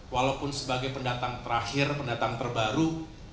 walaupun sebagai pendatang terakhir pendatang terbaru